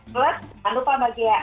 plus jangan lupa mbak ghea